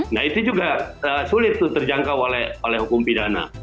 nah itu juga sulit terjangkau oleh hukum pidana